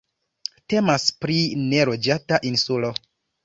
Temas pri neloĝata insulo.